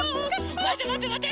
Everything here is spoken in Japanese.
まてまてまて！